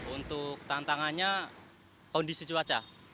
untuk tantangannya kondisi cuaca